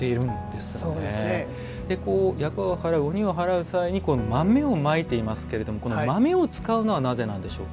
厄を払う鬼を払う際に豆をまいていますけども豆を使うのはなぜなんでしょうか？